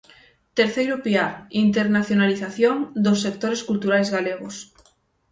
Terceiro piar: internacionalización dos sectores culturais galegos.